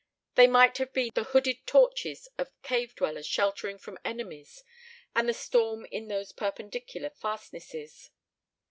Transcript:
They might have been the hooded torches of cave dwellers sheltering from enemies and the storm in those perpendicular fastnesses.